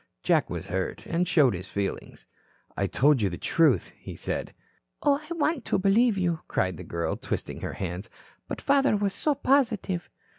Jack was hurt, and showed his feelings. "I told you the truth," he said. "Oh, I want to believe you," cried the girl, twisting her hands. "But father was so positive."